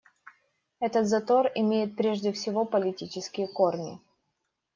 Этот затор имеет прежде всего политические корни.